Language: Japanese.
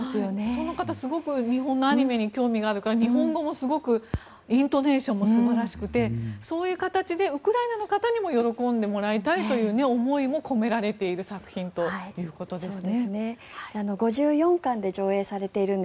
その方すごく日本のアニメに興味があるから日本語もすごくイントネーションも素晴らしくてそういう形でウクライナの方にも喜んでもらいたいという思いが込められている作品ということですね。